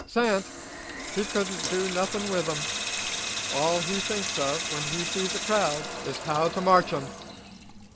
Sant, he couldn't do nothin' with 'em. All he thinks of, when he sees a crowd, is how to march 'em.